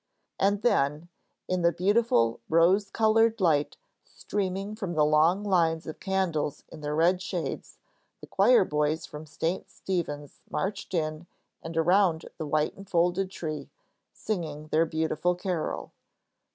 And then, in the beautiful rose colored light streaming from the long lines of candles in their red shades, the choir boys from St. Stephen's marched in and around the white enfolded tree, singing their beautiful carol.